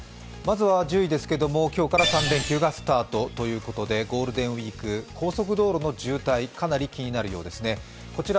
１０位ですけれども、今日から３連休がスタートということでゴールデンウイーク高速道路の渋滞かなり気になるようですね。